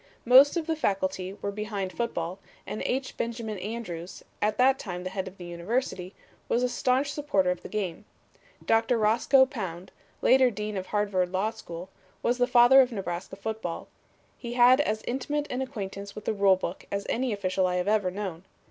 "Most of the Faculty were behind football, and H. Benjamin Andrews, at that time head of the University, was a staunch supporter of the game. Doctor Roscoe Pound, later dean of Harvard Law School, was the father of Nebraska football. He had as intimate an acquaintance with the rule book as any official I have ever known.